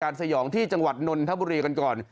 สยองที่จังหวัดนนทบุรีกันก่อน